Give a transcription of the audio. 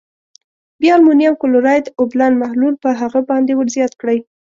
بیا المونیم کلورایډ اوبلن محلول په هغه باندې ور زیات کړئ.